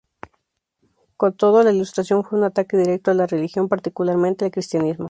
Con todo, la Ilustración fue un ataque directo a la religión, particularmente al cristianismo.